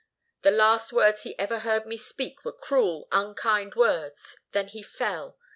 The last words he ever heard me speak were cruel, unkind words. Then he fell.